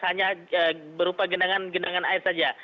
hanya berupa gendangan gendangan air saja